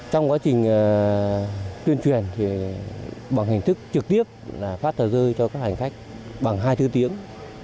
trong quá trình tuyên truyền bằng hình thức trực tiếp phát thờ rơi cho các hành khách bằng hai bốn tiếng